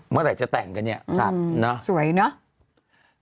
เมื่อไหร่จะแต่งกันเนี่ยสวยเนอะ